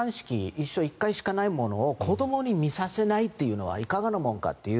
一生に一度しかないものを子どもに見させないというのはいかがなものかという。